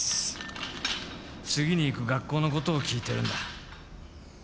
次に行く学校のことを聞いてるんだ。